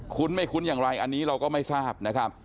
ไม่คุ้นอย่างไรอันนี้เราก็ไม่ทราบนะครับ